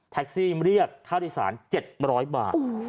แท็กซี่เรียกข้าวโดยสาร๗๐๐บาท